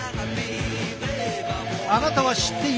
あなたは知っているか？